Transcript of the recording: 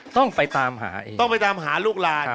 ต้องไปตามหาลูกลาน